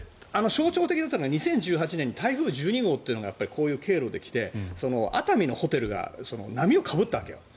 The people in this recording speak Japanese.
象徴的だったのは２０１８年に台風１２号がこういう経路で来て熱海のホテルが波をかぶったわけよ。